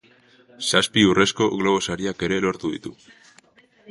Zazpi Urrezko Globo Sariak ere lortu ditu.